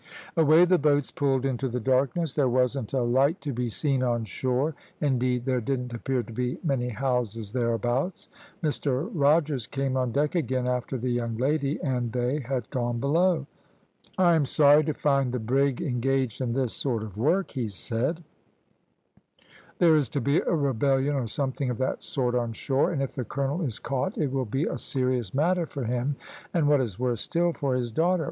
"Away the boats pulled into the darkness; there wasn't a light to be seen on shore; indeed, there didn't appear to be many houses thereabouts. Mr Rogers came on deck again after the young lady and they had gone below. "`I am sorry to find the brig engaged in this sort of work,' he said; `there is to be a rebellion or something of that sort on shore, and if the colonel is caught it will be a serious matter for him, and, what is worse still, for his daughter.